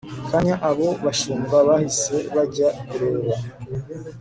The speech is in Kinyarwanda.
kanya abo bashumba bahise bajya kureba